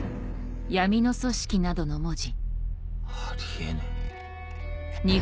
あり得ねえ。